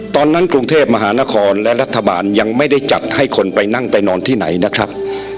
ตอนนั้นกรุงเทพมหานครและรัฐบาลยังไม่ได้จัดให้คนไปนั่งไปนอนที่ไหนนะครับ